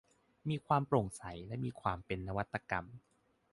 มีความโปร่งใส และมีความเป็นนวัตกรรม